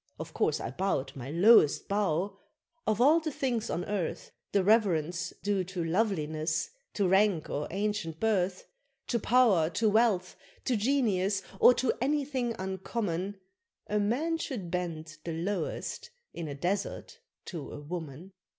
Of course I bowed my lowest bow of all the things on earth, The reverence due to loveliness, to rank, or ancient birth, To pow'r, to wealth, to genius, or to anything uncommon, A man should bend the lowest in a Desert to a Woman!